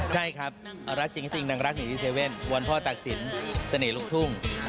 ใช่ครับรักจริงแก้ติงนางรัก๒๐๒๗วันพ่อตักศีลษะเนยลุกทุ่ง